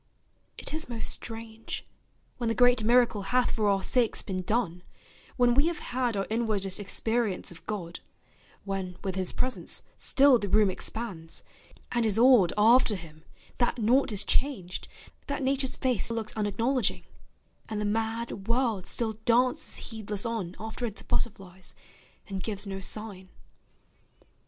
It is most strange, when the great miracle Hath for our sakes been done, when we have had Our inwardest experience of God, When with his presence still the room expands, And is awed after him, that naught is changed, That Nature's face looks unacknowledging, And the mad world still dances heedless on After its butterflies, and gives no sign.